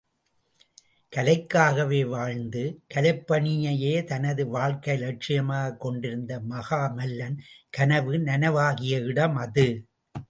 கலைக்காகவே வாழ்ந்து, கலைப் பணியையே தனது வாழ்க்கை லட்சியமாகக் கொண்டிருந்த மகாமல்லன் கனவு நனவாகிய இடம் அது.